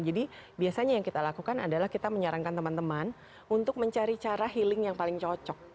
jadi biasanya yang kita lakukan adalah kita menyarankan teman teman untuk mencari cara healing yang paling cocok